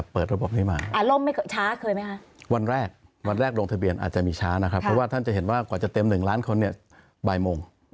เพราะว่าท่านจะเห็นว่ากว่าจะเต็ม๑ล้านคนเนี่ยบ่ายโมง